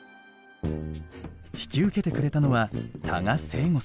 引き受けてくれたのは多賀盛剛さん。